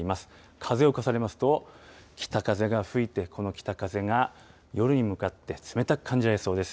風を重ねますと、北風が吹いて、この北風が夜に向かって冷たく感じられそうです。